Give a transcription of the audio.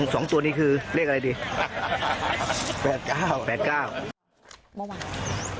สองตัวนี้คือเรียกอะไรดี